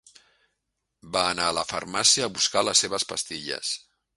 Va anar a la farmàcia a buscar les seves pastilles.